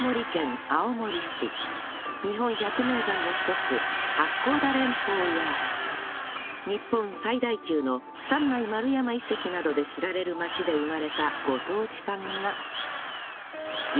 日本百名山の一つ八甲田連峰や日本最大級の三内丸山遺跡などで知られる町で生まれたご当地パンが